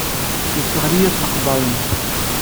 Yesseɣli-as s leqder-nnes.